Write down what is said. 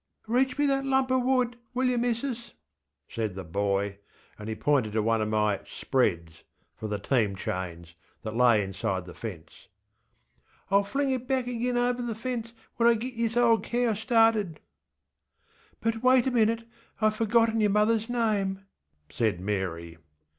ŌĆśReach me that lump er wood, will yer, missus? ŌĆÖ said the boy, and he pointed to one of my ŌĆśspreadsŌĆÖ (for the team chains) that lay inside the fence. ŌĆśIŌĆÖll fling it back agin over the fence when I git this ole cow started. ŌĆÖ ŌĆśBut wait a minuteŌĆöIŌĆÖve forgotten your motherŌĆÖs name, ŌĆÖ said Mary.